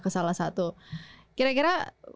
ke salah satu kira kira